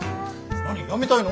何やめたいの？